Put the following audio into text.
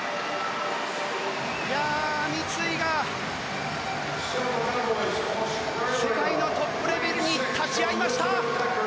三井が世界のトップレベルに勝ち合いました。